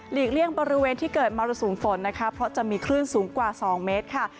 เลี่ยงบริเวณที่เกิดมรสุมฝนนะคะเพราะจะมีคลื่นสูงกว่า๒เมตรค่ะ